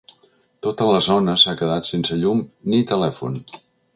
Tota la zona s’ha quedat sense llum ni telèfon.